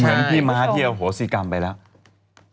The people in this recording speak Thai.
เหมือนพี่ม้าที่อโหสิกรรมไปแล้ว